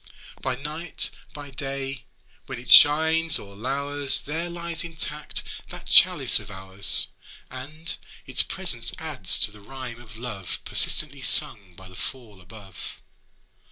'By night, by day, when it shines or lours, There lies intact that chalice of ours, And its presence adds to the rhyme of love Persistently sung by the fall above.